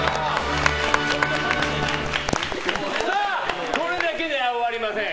さあこれだけでは終わりません。